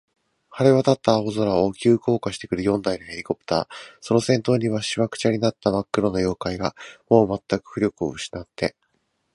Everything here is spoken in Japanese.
晴れわたった青空を、急降下してくる四台のヘリコプター、その先頭には、しわくちゃになったまっ黒な怪物が、もうまったく浮力をうしなって、